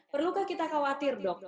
perlukah kita khawatir dok